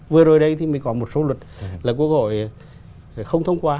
vừa rồi đây thì mình có một số luật là quốc hội không thông qua